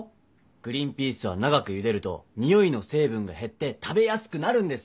グリーンピースは長くゆでるとにおいの成分が減って食べやすくなるんですよ。